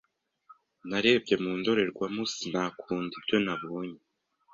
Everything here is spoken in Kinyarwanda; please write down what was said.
Narebye mu ndorerwamo sinakunda ibyo nabonye.